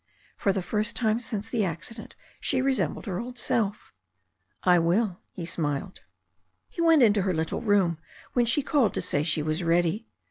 For the first time since the accident she resembled her old self. "I will," he smiled. He went into her little room when she called to say she was ready.